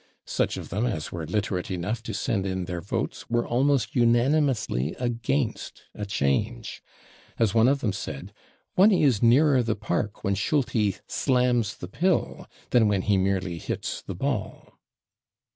Such of them as were literate enough [Pg312] to send in their votes were almost unanimously against a change. As one of them said, "one is nearer the park when Schulte /slams the pill/ than when he merely /hits the ball